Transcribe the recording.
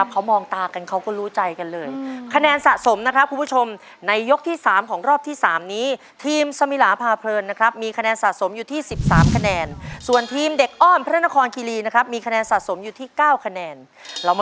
ก็รู้สึกสีใจครับที่สามารถทำได้ขนาดนี้ครับ